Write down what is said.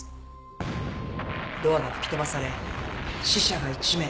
ドアが吹き飛ばされ死者が１名。